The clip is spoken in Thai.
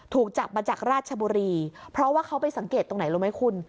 ถูกจับมาจากราชบุรีเพราะว่าเขาไปสังเกตตรงไหนรู้ไหมคุณ